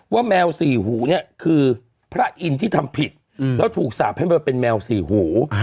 แมวสี่หูเนี่ยคือพระอินทร์ที่ทำผิดแล้วถูกสาปให้มันเป็นแมวสี่หู